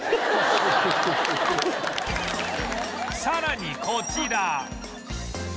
さらにこちら